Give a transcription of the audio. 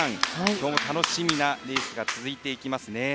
今日も楽しみなレースが続いていきますね。